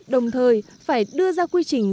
đồng thời phải đưa ra quy trình